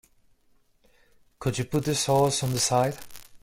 Could you put the sauce on the side?